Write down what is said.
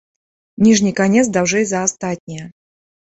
Ніжні канец даўжэй за астатнія.